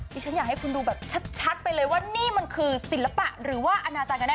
ฉันอยากให้คุณดูแบบชัดไปเลยว่านี่มันคือศิลปะหรือว่าอนาจารย์กันแ